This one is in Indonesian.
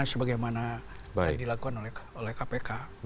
sebagaimana yang dilakukan oleh kpk